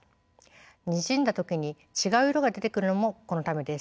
にじんだ時に違う色が出てくるのもこのためです。